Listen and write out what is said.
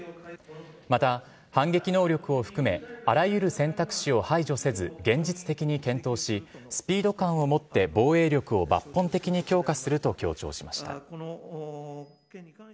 また、反撃能力を含めあらゆる選択肢を排除せず現実的に検討しスピード感を持って防衛力を抜本的に強化すると強調しました。